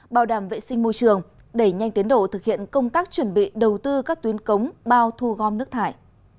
bảo đảm vệ sinh môi trường đẩy nhanh tiến độ thực hiện công tác chuẩn bị đầu tư các tuyến cống bao thu gom nước thải